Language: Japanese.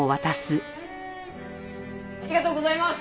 ありがとうございます。